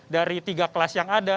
dari tiga kelas yang ada